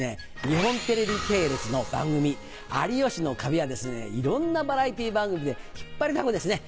日本テレビ系列の番組『有吉の壁』やいろんなバラエティー番組で引っ張りだこですね。